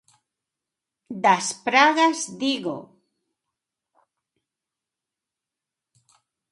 Das pragas, digo.